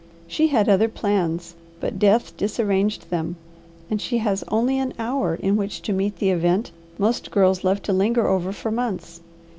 She had other plans, but death disarranged them, and she has only an hour in which to meet the event most girls love to linger over for months.